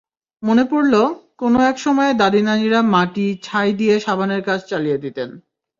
মনে পড়ল, কোনো একসময়ে দাদি-নানিরা মাটি, ছাই দিয়ে সাবানের কাজ চালিয়ে নিতেন।